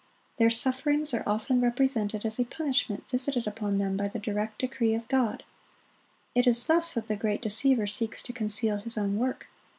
(48) Their sufferings are often represented as a punishment visited upon them by the direct decree of God. It is thus that the great deceiver seeks to conceal his own work.